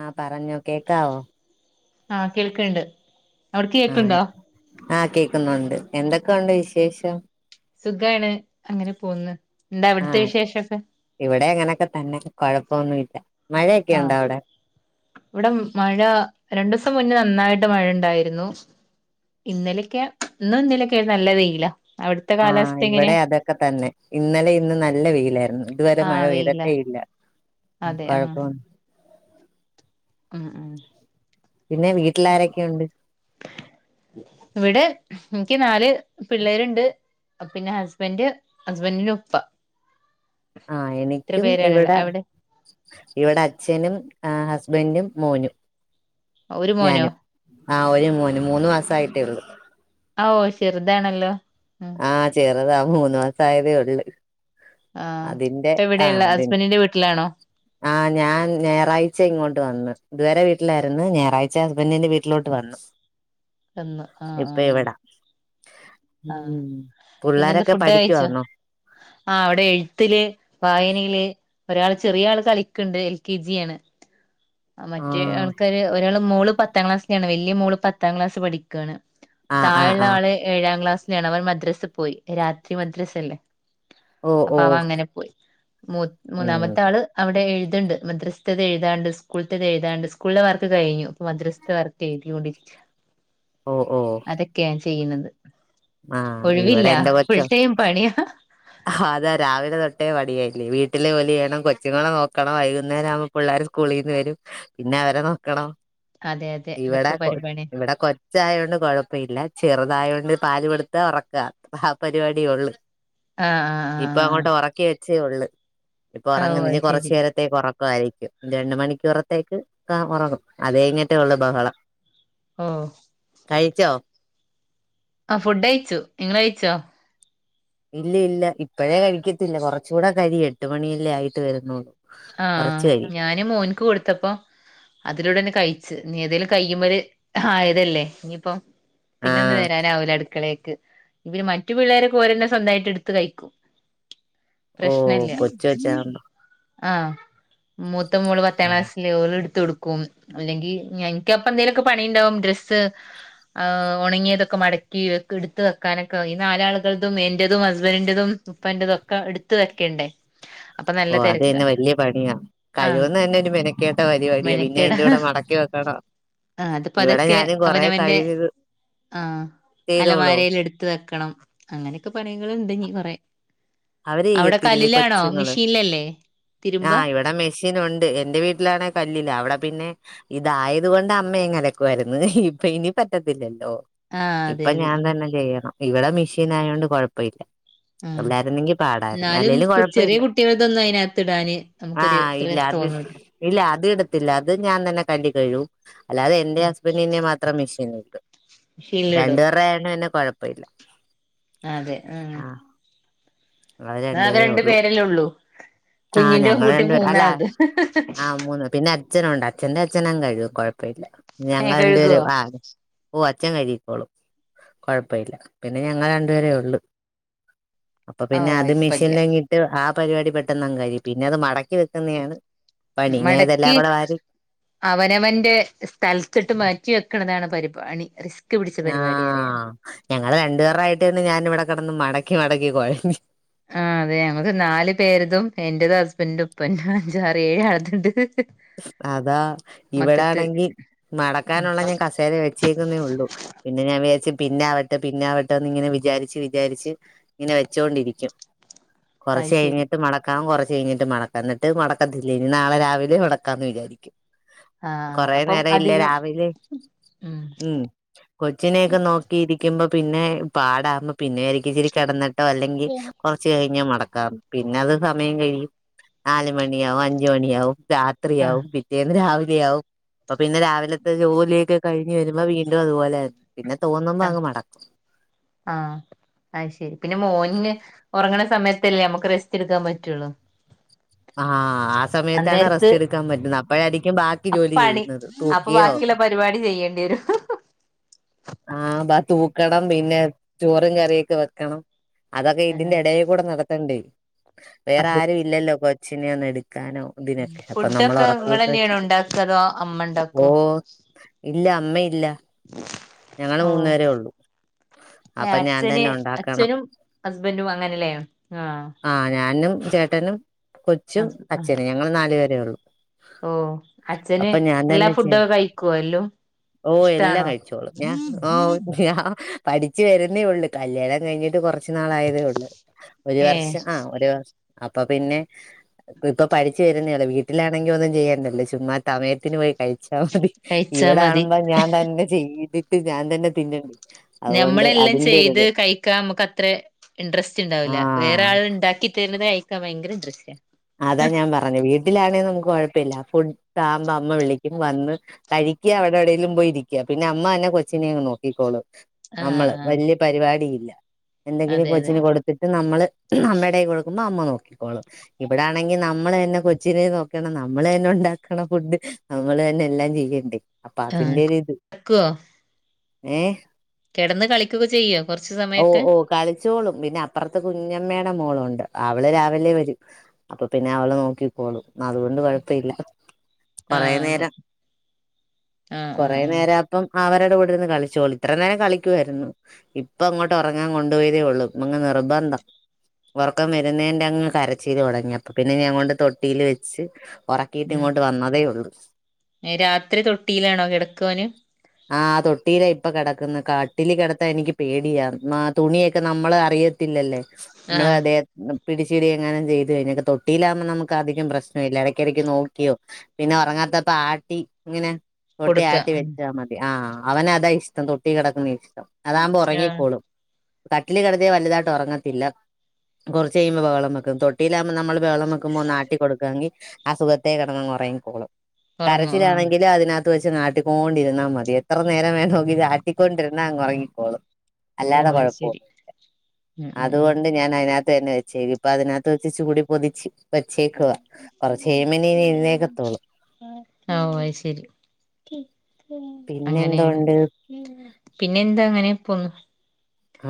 ആ പറഞ്ഞോ കേക്കാവോ ആഹ് കേൾക്കണ്ട് അവിടെ കേക്കണ്ടോ ആ കേക്കുന്നുണ്ട് എന്തൊക്കെയുണ്ട് വിശേഷം സുഖാണ് അങ്ങനെ പോന്ന് എന്താ അവിടുത്തെ ആഹ് വിശേഷൊക്കെ ഇവിടെ അങ്ങനൊക്കെ തന്നെ കൊഴപ്പോന്നും ഇല്ല ആഹ് ഇവിടെ മഴ രണ്ടു ദിവസം മുന്നേ നന്നായിട്ട് മഴ ഉണ്ടായിരുന്നു. ഇന്നലൊക്കെ ഇന്നും ഇന്നലൊക്കെ ആയ് നല്ല വെയിലാ അവിടുത്തെ ആ കാലാവസ്ഥ എങ്ങനെ ഇവിടെ അതൊക്കെ തന്നെ ഇന്നലെ ഇന്നും നല്ല വെയിലായിരുന്നു ഇതുവരെ മഴ ആഹ് വെയിലാ പെയ്തട്ടെ ഇല്ല അതെ [unintelligible] ആ ആഹ് പിന്നെ വീട്ടിലാരൊക്കെയുണ്ട് ഇവിടെ എനിക്ക് നാല് പിള്ളേരുണ്ട് പിന്നെ ഹസ്ബൻഡ് ഹസ്ബൻഡിന്റെ ഉപ്പ ആ ഇത്ര എനിക്കും പേരാണ്ള്ളെ ഇവിടെ അവിടെ ഇവിടെ അച്ഛനും അഹ് ഹസ്ബൻഡും മോനും ഒരു മോനോ ആ ഒരു മോന് മൂന്ന് മാസ ആയിട്ടേള്ളൂ ഓ ചെറുതാണല്ലോ ഉം ആഹ് ചെറുതാ മൂന്ന് മാസം ആയതേ ഒള്ള് ആഹ ഇപ്പൊ ആഹ് ഇവിടെയുള്ള അതിൻ ഹസ്ബന്റിന്റെ വീട്ടിലാണോ ആഹ് ഞാൻ ഞായറാഴ്ച ഇങ്ങോട്ട് വന്നു ഇതുവരെ വീട്ടിലായിരുന്നു ഞായറാഴ്ച ഹസ്ബന്റിന്റെ വീട്ടിലോട്ട് വന്നു എന്ന്ന് ആഹ് ഇപ്പൊ ആഹ് ആഹ ഇവിടാ ആഹ ഉം പിന്നെ എന്താ പുള്ളാരൊക്കെ ഫുഡ് കഴിച്ചോ പഠിക്കുവാന്നോ ആ അവിടെ എഴുത്തില്ല് വായനയില് ഒരാള് ചെറിയ ആള് കളിക്കണ്ട് എൽ കെ ജിയാണ് മറ്റേ ആഹ് ആൾക്കാര് ഒരാള് മോള് പത്താം ക്ലാസിലാണ് വലിയ മോള് പത്താം ക്ലാസ് പഠിക്കയാണ് ആഹ് ആഹ് താഴെയുള്ള ആഹ് ആള് ഏഴാ മദ്രസ അവൻ മദ്രസൽ പോയി രാത്രി മദ്രസ അല്ലേ ഓ അപ്പൊ ഓ അവൻ അങ്ങനെ പോയി മു ഉം മൂന്നാമത്തെ ആള് അവിടെ എഴുതി ഇതുണ്ട് മദ്രസ്താത് എഴുതാണ്ട് സ്കൂൾത്തത് എഴുതാണ്ട് സ്കൂളില വർക്ക് കഴിഞ്ഞു ഇപ്പ മദ്രസത്തെ വർക്ക് എഴുതി കൊണ്ടിരിക്കാ ഓ ഓ ചെയ്യുന്നത് ആഹ ഒഴിവില്ല ഇവിടെ എറെ കൊച്ചോ ഫുൾ ടൈം പണിയാ അതാ രാവിലെ തൊട്ട ഒട്ടേ പടിയായില്ലേ വീട്ടില്െ പോല ചെയ്യണം കൊച്ചുങ്ങളെ നോക്കണം വൈകുന്നേരം ആവുമ്പ പിള്ളേും സ്കൂളിൽ നിന്ന് വരും പിന്നെ അവരെ നോക്കണ അതെ അതെ ഇവിടെ അതൊക്കെ കൊ പരിപാടി ഇവിടെ കൊച്ചായോണ്ട് കൊഴപ്പ ഇല്ല ചെറുതായൊണ്ട് പാല് കൊടുത്താ ഉറക്ക ആ പരിപാടിയള്ളു ആഹ് ഇപ്പൊ ആഹ് അങ്ങോട്ട് ഉറക്ക പച്ച ഉള്ള ഇപ്പൊ ആഹ് ഓഹ് ഉറങ്ങുന്ന ഇനി അത് കൊറച്ചു ശരി നേരത്തേ ക്ക ആയിരിക്കും രണ്ട മണിക്കൂറത്തേക്ക് ഉറങ്ങും അത കഴിഞ്ഞിട്ടേ ഉള്ളു ബഹളം ഓഹ് കഴിച്ചോ ആ ഫുഡ് അയ്ച്ചു നിങ്ങളായിച്ചോ ഇല്ല ഇല്ല ഇപ്പഴേ കഴിക്കത്തില്ല കുറച്ചുകൂടെ കരി എട്ട് മണിയല്ലേ ആയിട്ട് വരുന്നുള്ളൂ ആ കുറച്ച് കഴിയും ഞാന് മോൻക്ക് കൊടുത്തപ്പോ അതിലൂടെന്നെ കഴി നീ ഏതേലും കയ്യുമ്മല് ആയതല്ലേ ഇനിയിപ്പം പിന്നെ ഒന്ന് ആഹ് വരാനാവൂല അടുക്കളേക്ക് ക്ക് ഇവര്, മറ്റു പിള്ളേരൊക്കെ ഒരെന്നെ സ്വന്തായിട്ട് എടുത്ത് കഴിക്കും. ഓ കൊച്ച് [unintelligible] ആ മൂത്ത മോള് പത്താം ക്ലാസ്സില്, ഓള് ട്ത്തു കൊടുക്കും അല്ലെങ്കി എനിക്ക് അപ്പം എന്തെലുമൊക്കെ പണിണ്ടാവും ഡ്രസ്സ് ആ ഉണങ്ങിയതൊക്കെ മടക്കി എടുത്ത് വെക്കാനൊക്കെ ഈ നാലാളുകൾതും എന്റെതും ഹസ്ബൻഡിന്റെതും ഉപ്പാന്റെതും ഒക്കെ എടുത്ത വെക്കണ്ടേ. അപ്പൊ ഓ നല്ല അത് തിരക്ക് തന്നെ വലിയ പണിയാ ആ കഴിവുന്ന തന്നെ ഒരു മെനക്കേട്ട പരിപാടിയാ പിന്നെ മെനക്കേട അതിന്റെ കൂടെ മടക്കി വെക്കണം ആ അത് ഇവിടെ പതുക്കെ ഞാനും കൊറെ അവനവന്റെ കഴിവ് ആ ചെയ്തോളൂ അലമാരേൽ എടുത്ത് വെക്കണം അങ്ങനെയൊക്കെ പണികളുണ്ടിനീ കൊറെ അവര് അവിടെ ചെയ്യത്തില്ലേ കല്ലിലാണോ? മിഷീനിലല്ലേ ആ ഇവിടെ മെഷീൻ ഉണ്ട് എന്റെ വീട്ടിലാണേ കല്ലിലാ അവിടെ പിന്നെ ഇതായത് കൊണ്ട് അമ്മ ഇങ്ങ് അലക്കുവായിരുന്ന് ഇപ്പ ഇനി പറ്റത്തില്ല ലൊ ആഹ് അതെ ഇപ്പ അതെ ഞാൻ തന്നെ ചെയ്യണം ഇവിടെ മിഷീൻ ആയോണ്ട് കൊഴപ്പയില്ലാ ആ ല്ലെങ്കിൽ പാടായിരുന്നു അല്ലേലും കൊഴ്പ്പല്ല അതിനകത്ത് ഇടാന് ആ നമുക്കൊരു ഇത്ര ഇല്ല അത്‌ തോന്നൂല ഇല്ല അത്‌ എടുത്തില്ല അത്‌ ഞൻ തന്നെ കല്ലിൽ കഴുകും അല്ലാതെ എന്റെ എസ്ബന്റിന്റേം മാത്രം മി ശരിയന്നാ ഷീൽഡിടും രണ്ടുപേറെടെ ആയോണ്ട് പിന്നെ കൊഴപ്പില്ല അതെ ആ അത് രണ്ടുപേരേ ഉള്ളൂ ഉള്ളൂ ആ കുഞ്ഞിന്റെ ഞങ്ങൾ കുട്ടി രണ്ടുപേര് അല്ല മൂന്നാളത് ആ മൂന്ന് പിന്നെ അച്ഛനുണ്ട് അച്ഛന്റെ അച്ഛനങ്ങ് കഴുകും കൊഴ് ഞങ്ങ രണ്ടു കഴുകുവോ പേരും ആ ഇപ്പൊ ച്ചൻ കഴുകിക്കോളും കൊഴപ്പ ഇല്ല പിന്നെ ഞങ്ങൾ രണ്ടു പേരേ ഉള്ളു അപ്പൊ ഓ പിന്നെ അത് കൊഴപ്പല്ല മെഷീനിലങ്ങിട്ട് ആ പരിപടി പെട്ടെന്ന് അങ്ങ് കഴിയും പിന്നെ അത് മടക്കി വെക്കുന്നയാണ് മടക്കി അവനവന്റെ സ്ഥലത്തിട്ട് മാറ്റി വെ ക്ക്ണതാണ് പരിപാണി റിസ്ക് പിടിച്ച ആ പരിപാടി അറിയാൻ ഞങ്ങള് രണ്ടു പേറായിട്ട് തന്നെ ഞാൻ ഇവിടെ കിട ഒന്ന് മടക്കി മടക്കി കൊഴഞ്ഞ് ആ അതെ ഞമ്മക്ക് നാല് പേരതും എന്റതും, ഹസ്ബൻന്റ് ഉപ്പന്റെ അഞ്ചാറ് ഏഴ് ആള്തുണ്ട് അതാ ഇവിടെ ആണെങ്കി മടക്കാനോള്ള ഞാൻ കസേര വെച്ചേക്കുന്നേ ഒള്ളു പിന്നെ ഞാൻ വിചാരിച്ച് പിന്നൊവട്ടെ പിന്നൊവട്ടെന്ന് ഇങ്ങനെ വിചാരിച്ച് വിചാരിച്ച് ഇങ്ങനെ വെച്ചോണ്ടിരിക്കും അത് കൊറച്ച് ശരി കഴിഞ്ഞിട്ട് മടക്കാം കൊറ ഇചിയി കഴിഞ്ഞിട്ട് മടക്കാം എന്നിട്ട് മടക്കത്തില്ല ഇനി നാളെ രാവിലെ മടക്കു ക്കാന്ന് വിചാരിക്കും ആഹ് കൊറെ അപ്പം നേര ഇല്ല അധികം രാവിലെ ഉം കൊച്ചിനെക്കെ നോക്കിയിരിക്കുബം പിന്നെ പാടാകുമ്പോ പിന്നെ എനിക്കിച്ചിരി കെടന്നി ട്ടോ അല്ലെങ്കി കൊറച്ച് കഴിഞ്ഞോ മ ടക്കാം പിന്നത് സമയം കഴിയും നാലുമണിയാവും അഞ്ച് മണിയാവും രാ ത്രിയാവും പിറ്റേന്ന് രാവി ലെയാവും അപ്പ പിന്നെ രാവിലത്തെ ജോലിയൊക്കെ കഴിഞ്ഞ് വരുമ്പോ വീണ്ടും അതുപോലെ തന്നെ ആ ആ ആയ്ശെരി പിന്നെ മോന്ന് ഉറങ്ങണ സമയത്തല്ലേ നമുക്ക് റെസ്റ്റ് എട്ക്കാൻ പറ്റുള്ളൂ ആഹ് ആ സമയത്താണ് അന്നേരത്ത് റസ്റ്റ് എട്ക്കാൻ പറ്റുന്നത് [unintelligible] ജോലി അപ്പണി ചെയ്യുന്നത് അപ്പ തൂക്കിയോ ബാക്കിയൊള്ള പരിപാടി ചെയ്യേണ്ടിവരും ആഹ് ബാ തൂക്കണം പിന്നെ ചോറും കറിയൊക്കെ വെക്കണം അതൊക്കെ ആഹ് ഇതിന്റെ എടേകൂടെ നടത്തണ്ടേ വേറെ ആരും ഇല്ലല്ലോ കൊ ച്ചിനേയൊന്നെടു ഫുഡ്ഡോക്കെ വെച്ച് ഇങ്ങളെന്നെണ്ടാക്കതോ അമ്മണ്ടാക്കോ ഓ ഇല്ല അമ്മ ഇല്ല ഓ ഏ അപ്പൊ ഞാൻ അച്ഛന് തന്നെ ഉണ്ടാക്കണം അച്ഛനും ഹസ്ബൻറും അങ്ങനെല്ലേ ആഹ് ആ ഞാനും ചേട്ടനും കൊച്ചും അച്ചനും ഞങ്ങള് നാല് പേര് ത്രേ ഒള്ളൂ ഓ അച്ഛന് എല്ലാ ഫുഡൊക്കെ ചെയ്യണം കഴിക്കോ എലോം ഓ എല്ലാം ഇഷ്ടാണോ? കഴിച്ചോളും ഞാൻ ഓ ഞാ പഠിച്ച് വരുന്നേ ഒള്ള് കല്യാണം കഴിഞ്ഞിട്ട് കൊറച്ച് ച്ച് നാളായതേ ഒള്ളൂ ഒരു ഏഹ് വർഷം ആഹ് ഒരു വർ അപ്പ പിന്നെ ഇപ്പ പഠിച്ച് വരുന്നേ ഒള്ളു. വീട്ടിലാണെങ്കി ഒന്നു ചെയ്യേണ്ടല്ലോ ചുമ്മാ ത്തമയത്തിന്ന് പോയി കഴിച്ചാ മതി കഴിച്ചാ ഇവടെ മതി ആണുമ്പ ഞാൻ തന്നെ ചെയ്തി ഞാൻ തന്നെ തിന്ന- ഞമ്മളെല്ലാം ചെയ്ത് കഴിക്കാൻ നമുക്ക് അത്ര ഇൻട്രസ്റ്റ് ഉണ്ടാവില്ല. വേറെ ആഹ് ആൾ ഉണ്ടാക്കി തരുന്നത് കഴ ഭയങ്കര ദൃശ്യ- അതാ ഞാൻ പറഞ്ഞു വീട്ടിലാണെങ്കിൽ നമുക്ക് കുഴപ്പ പ്പില്ല ഫുഡ് ആവുമ്പോ അമ്മ വിളിക്കും വന്ന് കഴിക്കുക. അവിടെ എവിടേലിലും പോയിരിക്ക, പിന്നെ അമ്മ തന്നെ കൊച്ചിനെങ്ങ് നോക്കിക്കോളു. ആഹ് നമ്മള് ആഹ് വല്യ പരിപാടിയില്ല എന്തെങ്കിലും അതെ അതെ കൊച്ചിന് കൊടുത്തിട്ട് നമ്മള് അമ്മടെ കയ്യിൽ കൊടുക്കുമ്പോ അമ്മ നോക്കിക്കോളും. ഇവിടൊണെങ്കിൽ നമ്മൾ തന്നെ കൊച്ചിനെ നോക്കണം. നമ്മള് തന്നെ ഉണ്ടാക്കണംഫുഡ്. നമ്മൾ തന്നെ എല്ലാം ചെയ്യണ്ടേ. അപ്പൊ ആഹ് അതിന്റെ ഒരു ഇത് കടക്കുവോ ഏ കിടന്ന് കളിക്കൊക്കെ ചെയ്യോ കൊറച്ച് ഓ സമയൊക്കെ ഓ കളിച്ചോളും പിന്നെ അപ്പുറത്തെ കുഞ്ഞമ്മയുടെ മോളുണ്ട്. അവള് രാവിലെ വരും. അപ്പൊ പിന്നെ അവളെ നോക്കിക്കോളൂ അതുകൊണ്ട് കുഴപ്പയില്ല. കൊറ ആഹ് അതെ നേരം ആഹ് കൊറ ആഹ് ആഹ് നേരം അപ്പം അവരുടെ കൂട്ടിരുന്ന്കളിച്ചോളൂ ഇത്ര നേരം കളിക്കുകയായിരുന്നു. ഇപ്പ അങ്ങോട്ട് ഉറങ്ങാൻ കൊണ്ടുപോയതേ ഉള്ളു അങ് നിർബന്ധം ഉറക്കം വരുന്നതിന്റെ അങ്ങ് കര കൊച്ചിൽ തുടങ്ങിയപ്പ പിന്നെ ഞാൻ കൊണ്ട് തൊട്ടിലെ വെച്ച് ഒറക്കിയിട്ട് ഉം ഇങ്ങോട്ട് വന്നതേ ഒള്ളൂ. രാത്രി തൊട്ടിയിലാണോ കിടക്കോന്? ആ തൊട്ടിയിലാ ഇപ്പ കിടക്ക്ന്ന കട്ടിലീ കെടത്താൻ എനിക്ക് പേടിയാ തുണിയൊക്കെ നമ്മള് അറിയത്തില്ലല്ലേ. നമ്മള ആഹ് അതെ പിടിച്ചിടിയേ എങ്ങനെ ചെയ്തു കഴിഞ്ഞക്കെ തൊട്ടിയിലാകുമ്പോ നമുക്ക് അധികം പ്രശ്നം ഇല്ല എടയ്ക്കിടക്ക് നോക്കിയോ പിന്നെ ഉറങ്ങാത്തപ്പ ആട്ടി ഇങ്ങനെ തൊട്ടി കൊടുക്ക ആട്ടി ഉം വെച്ചാ മതി ആ അവനതാ ഇഷ്ടം തൊട്ടി കിടക്കുന്നതാ ഇഷ്ടം. അതാകുമ്പോ ആഹ് ഉറങ്ങിക്കോളും. കട്ടിലീ കിടത്തിയാ വലുതായിട്ട് ഒറങ്ങത്തില്ല കുറച്ച് കഴിയുമ്പോ ബഹളം വെ തൊട്ടിലാ നമ്മള് ബഹളം വെക്കുമ്പോ ഒന്ന് ആട്ടി കൊടുക്കാങ്കി- ആ സുഖത്തേ കെടന്നങ്ങ് ഉറങ്ങിക്കോളും ഉറങ്ങും ആഹ് കരച്ചിലാണെങ്കിലും അതിനക ഒക്കത്ത് വെച്ച് ആട്ടിക്കൊണ്ടിരുന്നാൽ മതി എത്ര നേരം വേണമങ്കിൽ ആട്ടിക്കൊണ്ടിരുന്നാ അങ്ങ് ഒറങ്ങിക്കോളും. ഓ അല്ലാതെ അത് ശരി കൊഴപ്പമൊന്നുമില്ല. ഉം ഉം ഉം അതുകൊണ്ട് ഞാൻ അതിനതിനകത്ത് [unintelligible] അപ്പത് [unintelligible] നത്ത് വെച്ച് ച്ച്‌കുടി പൊതിച് വെച്ചേക്ക്വ കൊറച്ചേമെനെ [unintelligible] എന്നേക്കെത്തൊള് അങ്ങനേണ് പിന്നെ എന്താ അങ്ങനെ പോവ്ന്ന്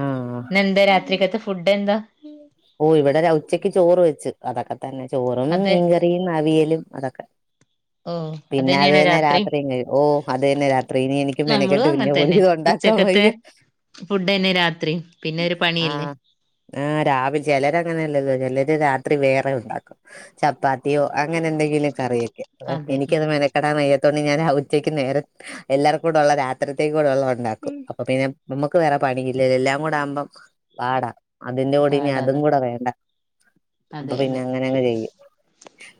ആഹ് ഇന്നെന്താ രാത്രികത്തെ ഫുഡ് ഫുഡ്ഡെന്താ ഓ ഇവടെ ഉച്ച്യക്ക് ചോറ് വെച്ച് അതാക്കഹ് തന്നെ ചോറും അതെ മീൻകറിയിൽ അവിയല് അതെക്കെ. ഓ പിന്നെ അത് [unintelligible] അതന്നെയാണോ ന്നെ രാത്രി ഇണ്ട് ഓഹ് അത് തന്നെ രാത്രി ഇനി എനിക്ക് നമ്മളും മെനക്കെട്ട് പിന്നെ അങ്ങനെ തന്നെ ജോലെയ്ത് ഉണ്ടാക്കാം ഉച്ചക്കത്തെ വയ്യ ഫുഡന്നെ രാത്രി പിന്നെ ഒരു പണിയല്ലേ ആഹ് രാവില അങ്ങനെല്ല [unintelligible] ത് രാത്രി വേറെ ഉണ്ടാക്കും ചപ്പാത്ത്യോ അങ്ങനെ എന്തെങ്കിലു കറി വെക്ക്യും അതെ ഇനിക്കത് മെനക്കെടാം വയ്യ തുണി ഇങ്ങനാ ഉച്ചയ്ക്ക് നേരത് എല്ലാറക്കൂടെള്ള രാത്രിത്തേ ചുടുവൊള്ള്വ ഉണ്ടാക്കും അപ്പൊ പിന്നെ നമ്മക്ക് വേറെ പണിയില്ലെ എല്ലാം കൂടെ ആഉമ്പം ബാട അതിന്റെ ഓടിന്നെ അത് അതും പാടാത് കൂടെ വേണ്ട അപ്പൊ അതെ പിന്നെ അതെ അങ്ങനെങ്ങെ ചെയ്യും.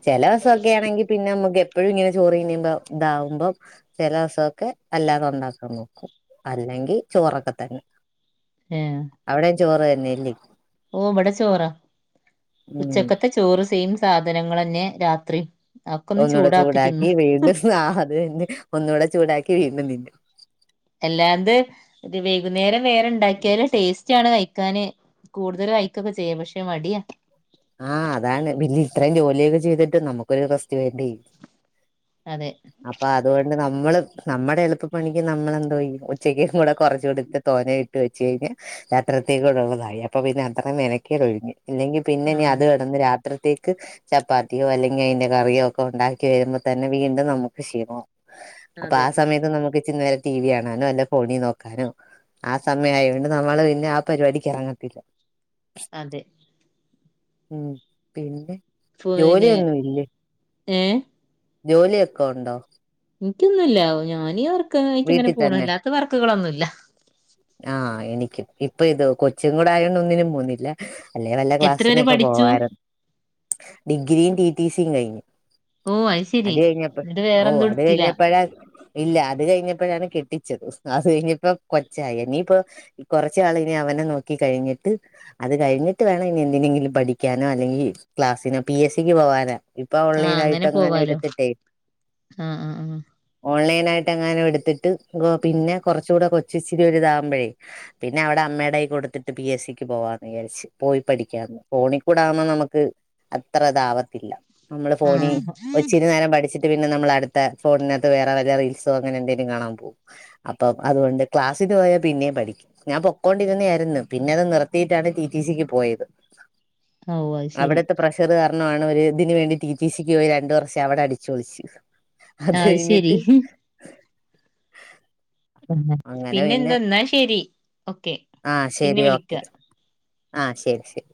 ചെല വെസൊക്കേണെങ്കി പിന്നെ നമ്മുക്കപ്പെ ഇപ്പഴും ഇങ്ങനെ ചോറ് ഇനിയുമ്പം ഇതാാവുമ്പം ചെല വെസൊക്കെ അല്ലാതെ ഒണ്ടാക്കാൻ നോക്കും അല്ലെങ്കി ചോറൊക്കെ തന്നെ ഏഹ് അവിടെയും ചോറ് തന്നെ ഇല്ല്യയ് ഓവടെ ചോറാ ഉം ഉച്ചക്കത്തെ ചോറ് സെയിം സ് സാധനങ്ങളന്നെ രാത്രിം ഒന്നൂടെ ചൂടാക്കി വീണ്ടും അത് തന്നെ ഒന്നുടെ ചൂ ചൂടാക്കി വീണ്ടും തിന്നും എല്ലാന്ത്‌ ഇത് വൈകുന്നേരം വേറെ ഉണ്ടാക്കിയാല് ടെസ്റ്റാണ് കയ്ക്കാന് കൂടുതല് കഴിക്കൊക്കെ ചെയ്യും പക്ഷേ മടിയാ ആ അതാണ് പിന്നെ ഇത്രയും ജോലിയൊക്കെ ചെയ്തിട്ട് നമ്മുക്കൊരു റസ്റ്റ്‌ വേണ്ടേ അതെ അപ്പൊ അതുകൊണ്ട് നമ് നമ്മള് നമ്മടെ എളുപ്പപ്പണിക്ക് നമ്മളെന്തോയ്യും ഉച്ചക്കും കൂടെ കൊറച്ചെടുത്ത് തോനേ ഇട്ട് വെച്ച് കഴിഞ്ഞ് യാത്രത്തേക്ക് കൂടെള്ളതായി അപ്പൊ പിന്നെ അത്രേം മെനക്കേടൊഴിഞ്ഞ് ആ പിന്നെനി അത് കെടന്ന് രാ ത്രത്തേക്ക് ചപ്പാത്തിയോ അല്ലെങ്കി അയ്ന്റെ കറിയോ ഒക്കെ ഉണ്ടാക്കി വരുമ്പോതന്നെ വീണ്ടും നമുക്ക് ക്ഷീണാവും അപ്പൊ അതെ ആ സമയത്ത് നമുക്ക് ചിൻ വര ടി വി കാണാനോ അല്ലെ ഫോണി നോക്കാനോ ആ സമയ ആയോണ്ട് നമ്മള് പിന്നെ ആ പരിപാടിക്ക് ഇറങ്ങത്തില്ല അതെ ഉം പിന്നെ പിന്നെ ജോലിയൊന്നും ഇല്ലേ ഏ ജോലിയൊക്കെ ഉണ്ടോ എനിക്കൊന്നുംല്ല ഞാനീ ഒർ ക്ക് ഇങ്ങനെ വീട്ടിൽ തന്നെ പോണല്ലാത്ത വർക്കുകളൊന്നുമല്ല ആഹ് എനിക്കും ഇപ്പൊ ഇത് കൊച്ചും കൂടെ ആയതോണ്ട് ഒന്നിനും പോവുന്നില്ല അല്ലെ വല്ല എത്ര വരെ ക്ലാസ്സിനൊക്കെ പഠിച്ചു പോവായിരുന്നു ഡിഗ്രിയും ടി ടിടിസിയും കഴിഞ്ഞു ഓ ശെരി അത് കഴിഞ്ഞപ്പ എന്നിട്ട് ഓ വേറെന്തും അത് എടുത്തില്ല കഴിഞ്ഞപ്പഴാ ഇല്ല അത് കഴിഞ്ഞപ്പോഴാണ് കെട്ടിച്ചത് അത് കഴിഞ്ഞപ്പോ കൊച്ചായി ഇനിയിപ്പോ കുറച്ച് നാൾ ഇനി അവനെ നോക്കി കഴിഞ്ഞിട്ട് അത് കഴിഞ്ഞിട്ട് വേണം ഇനി എന്തിനെങ്കിലും പഠിക്കാനോ അല്ലെങ്കിൽ ക്ലാസ്സിനോ പി എസ് സിക്ക് പോകാനോ ഇപ്പൊ ആഹ് ഓൺലൈൻ ആയിട്ട് അങ്ങനെ പോവാലോ എടുത്തിട്ടേ ആഹ് ആഹ് ഓൺലൈ റ്റങ്ങാനും എടുത്തിട്ട് പിന്നെ കുറച്ച് കൂടെ കൊച്ച് ഇച്ചിരി വലുതാകുമ്പോഴേ പിന്നെ അവിടെ അമ്മയുടെ കയ്യിൽ കൊടുത്തിട്ട് പി എസ് സിക്ക് പോവാന്ന് വിചാരിച്ചു പോയി പഠിക്കാന്ന് ഫോണി ആകുമ്പോ നമുക്ക് അത്ര ഇതാവത്തില്ല നമ്മള് ഫോണി ആഹ് ഒച്ചിരി നേരം പഠിച്ച് പിന്നെ നമ്മള് അടുത്ത ഫോണിനകത്ത് വേറെ വല്ലെ റീൽസ് അങ്ങനെ എന്തെങ്കിലും കാണാൻ പോകും അപ്പം അതുകൊണ്ട് ക്ലാസ്സിന് പോയാ പിന്നെയും പഠിക്കും ഞാൻ പൊക്കൊണ്ടിരുന്ന ആയിരുന്നു പിന്നെ അത് നിർത്തിയിട്ടാണ് ടിടിസിക്ക് പോയത് ഓഹ് അത് ശരി ന്നാണ് ഒരു ഇതിന് വേണ്ടി ടി ടി സിക്ക് പോയി രണ്ടു വർഷം അവിടെ അടിച്ചു പൊളിച്ചു അത് ശരി പിന്നെ എന്ത് എന്നാ ശരി ആഹ് ശരി ഓക്കെ ആഹ് ശരി ശരി